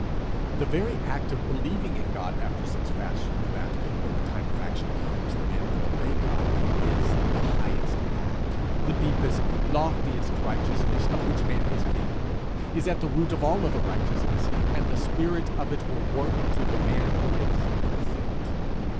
The very act of believing in God after such fashion that, when the time of action comes, the man will obey God, is the highest act, the deepest, loftiest righteousness of which man is capable, is at the root of all other righteousness, and the spirit of it will work till the man is perfect.